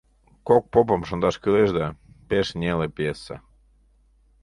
«Кок попым» шындаш кӱлеш да, пеш неле пьеса...